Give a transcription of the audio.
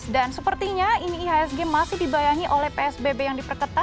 dan sepertinya ini ihsg masih dibayangi oleh psbb yang diperketa